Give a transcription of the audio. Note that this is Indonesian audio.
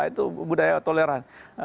itu budaya toleran